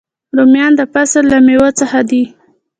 رومیان د فصل له میوو څخه دي